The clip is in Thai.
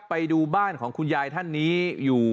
ไปดูบ้านของคุณยายท่านนี้อยู่